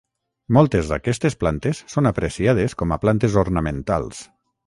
Moltes d'aquestes plantes són apreciades com a plantes ornamentals.